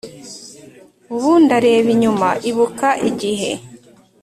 ubu ndareba inyuma, ibuka igihe